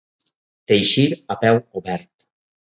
Teixir a peu obert.